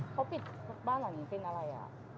เขาปิดบ้านอาหารวินเป็นอะไร